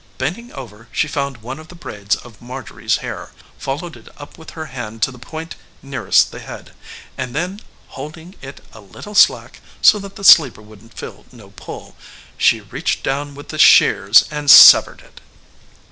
Bending over she found one of the braids of Marjorie's hair, followed it up with her hand to the point nearest the head, and then holding it a little slack so that the sleeper would feel no pull, she reached down with the shears and severed it.